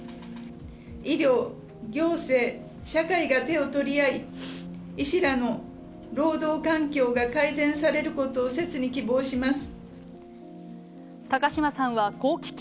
医療、行政、社会が手を取り合い、医師らの労働環境が改善されることをせつに希望します。